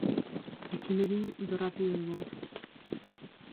E que me din do Rápido de Bouzas.